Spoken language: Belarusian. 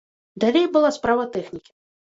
Далей была справа тэхнікі.